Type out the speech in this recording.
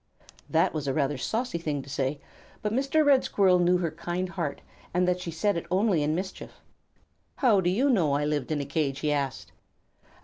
That was a rather saucy thing to say, but Mr. Red Squirrel knew her kind heart and that she said it only in mischief. "How do you know I have lived in a cage?" he asked.